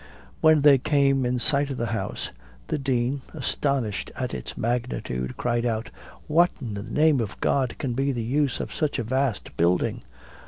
When they came in sight of the house, the Dean, astonished at its magnitude, cried out, "What, in the name of God, can be the use of such a vast building?"